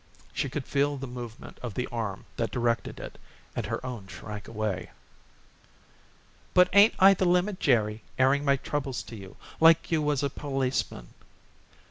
She could feel the movement of the arm that directed it and her own shrank away. "But ain't I the limit, Jerry, airing my troubles to you, like you was a policeman."